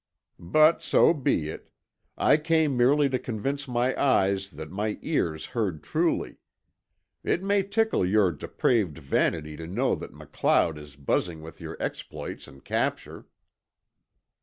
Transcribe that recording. But so be it. I came merely to convince my eyes that my ears heard truly. It may tickle your depraved vanity to know that MacLeod is buzzing with your exploits and capture."